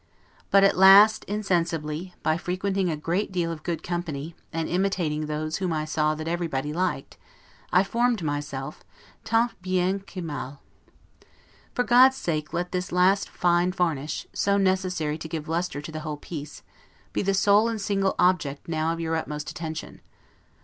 But at last, insensibly, by frequenting a great deal of good company, and imitating those whom I saw that everybody liked, I formed myself, 'tant bien que mal'. For God's sake, let this last fine varnish, so necessary to give lustre to the whole piece, be the sole and single object now of your utmost attention.